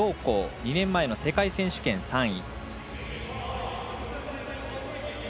２年前の世界選手権３位。